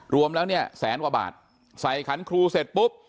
รวมแล้วเนี่ยแสนกว่าบาทใส่ขันครูเสร็จปุ๊บ